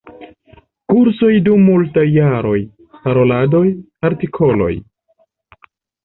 Kursoj dum multaj jaroj, paroladoj, artikoloj.